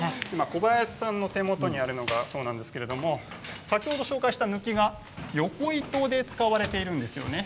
小林さんの手元にあるのがそうなんですが先ほど紹介したぬきが横糸で使われているんですね。